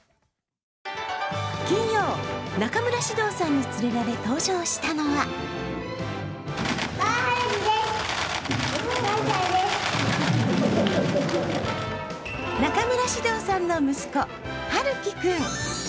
金曜、中村獅童さんに連れられ、登場したのは中村獅童さんの息子、陽喜君。